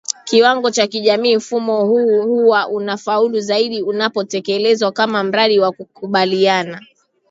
kiwango cha kijamii Mfumo huu huwa unafaulu zaidi unapotekelezwa kama mradi wa kukabiliana